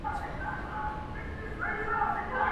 هر چا ته خپل وطن کشمير دئ.